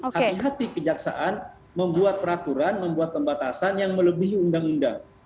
hati hati kejaksaan membuat peraturan membuat pembatasan yang melebihi undang undang